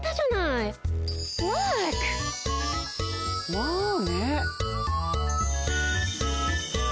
まあね。